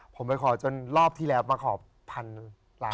ผมไปขอจนรอบที่แล้วมาขอพันล้าน